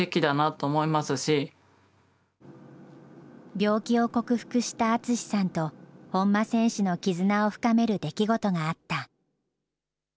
病気を克服した淳さんと、本間選手の絆を深める出来事があった。